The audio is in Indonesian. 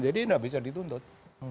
jadi nggak bisa dituntut